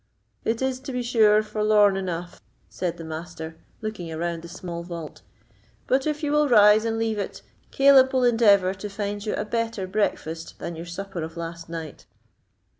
"It is, to be sure, forlorn enough," said the Master, looking around the small vault; "but if you will rise and leave it, Caleb will endeavour to find you a better breakfast than your supper of last night."